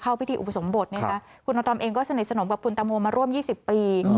เข้าพิธีอุปสรมบทเนี่ยค่ะคุณอาตอมเองก็สนิทสนมกับคุณตามวงมาร่วมยี่สิบปี